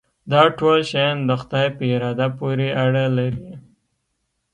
دا ټول شیان د خدای په اراده پورې اړه لري.